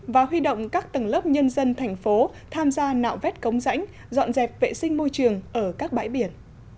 và huy động các tầng lớp nhân dân thành phố tham gia nạo vét cống rãnh dọn dẹp vệ sinh môi trường ở các bãi biển